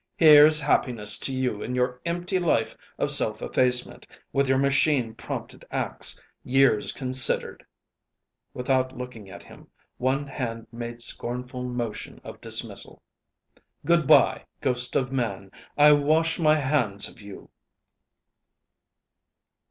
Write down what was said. Here's happiness to you in your empty life of self effacement, with your machine prompted acts, years considered!" Without looking at him, one hand made scornful motion of dismissal. "Good bye, ghost of man; I wash my hands of you."